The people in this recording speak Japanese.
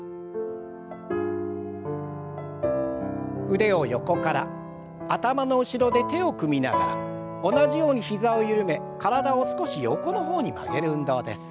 腕を横から頭の後ろで手を組みながら同じように膝を緩め体を少し横の方に曲げる運動です。